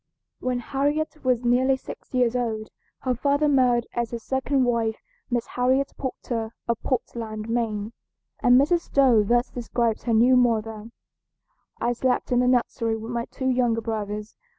When Harriet was nearly six years old her father married as his second wife Miss Harriet Porter of Portland, Maine, and Mrs. Stowe thus describes her new mother: "I slept in the nursery with my two younger brothers.